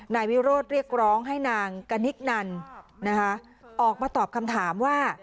นายวิโรธเรียกร้องให้นางกนิกนันนะคะออกมาตอบคำถามว่า